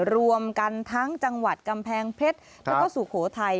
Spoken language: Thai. รวมกันทั้งจังหวัดกำแพงเพชรแล้วก็สุโขทัย